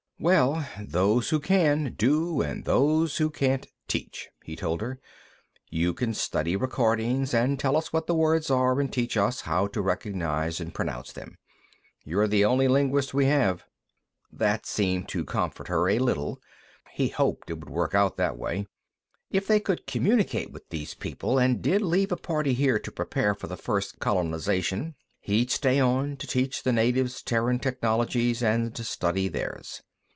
"Well, those who can do, and those who can't teach," he told her. "You can study recordings, and tell us what the words are and teach us how to recognize and pronounce them. You're the only linguist we have." That seemed to comfort her a little. He hoped it would work out that way. If they could communicate with these people and did leave a party here to prepare for the first colonization, he'd stay on, to teach the natives Terran technologies and study theirs.